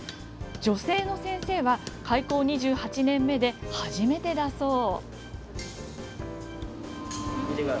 女性の先生は開校２８年目で初めてだそう。